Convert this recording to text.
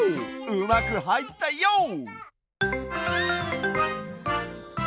うまくはいったＹＯ！